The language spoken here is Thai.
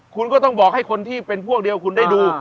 คุณก็ต้องบอกให้คนที่เป็นพวกเดียวคุณได้ดู